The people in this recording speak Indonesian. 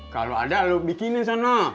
kalau ada lo bikinnya sono